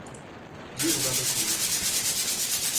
جیغ زد و کمک خواست.